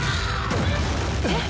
えっ！？